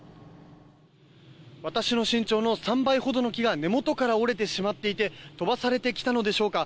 私の身長の３倍ほどの木が根元から折れてしまっていて飛ばされてきたのでしょうか